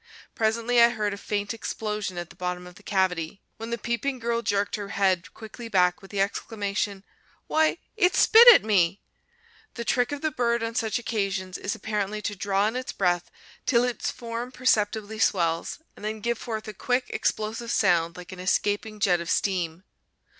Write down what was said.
Presently I heard a faint explosion at the bottom of the cavity, when the peeping girl jerked her head quickly back, with the exclamation, "Why, it spit at me!" The trick of the bird on such occasions is apparently to draw in its breath till its form perceptibly swells, and then give forth a quick, explosive sound like an escaping jet of steam.